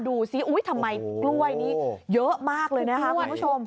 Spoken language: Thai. ดูสิทำไมกล้วยนี้เยอะมากเลยนะคะคุณผู้ชม